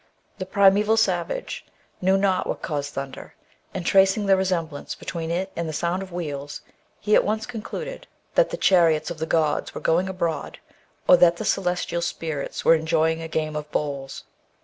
The primaeval savage knew not what caused thunder, and tracing the resemblance between it and the sound of wheels, he at once concluded that the ORIGIN OF THE WERE WOLF MYTH. 169 chariot of the gods was going abroad, or that the celestial spirits were enjoying a game of bowls.